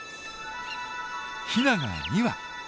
ヒナが２羽。